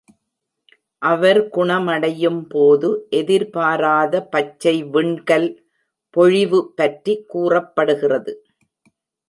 அவர் குணமடையும் போது எதிர்பாராத பச்சை விண்கல் பொழிவு பற்றி கூறப்படுகிறது.